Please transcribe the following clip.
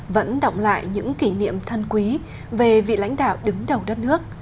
vẫn động lại những kỷ niệm thân quý về vị lãnh đạo đứng đầu đất nước